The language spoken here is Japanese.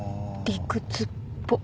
理屈っぽ。